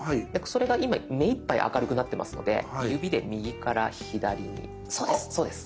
それが今目いっぱい明るくなってますので指で右から左にそうですそうです。